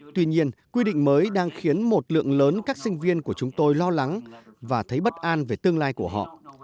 tuy nhiên quy định mới đang khiến một lượng lớn các sinh viên của chúng tôi lo lắng và thấy bất an về tương lai của họ